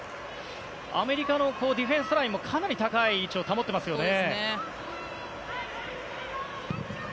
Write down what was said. アメリカのディフェンスラインもかなり高い位置を保っていますよね。